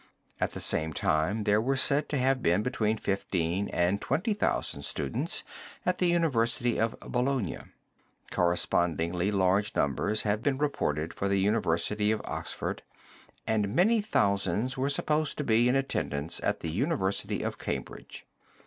At the same time there were said to have been between fifteen and twenty thousand students at the University of Bologna. Correspondingly large numbers have been reported for the University of Oxford and many thousands were supposed to be in attendance at the University of Cambridge.